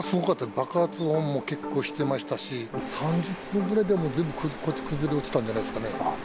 爆発音も結構してましたし、３０分くらいで全部もう、崩れ落ちたんじゃないですかね。